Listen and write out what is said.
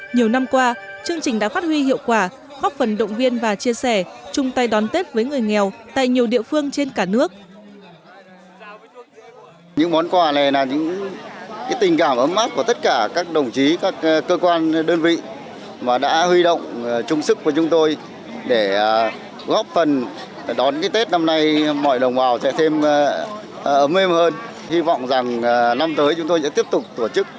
nhiều năm qua chương trình đã phát huy hiệu quả góp phần động viên và chia sẻ chung tay đón tết với người nghèo tại nhiều địa phương trên cả nước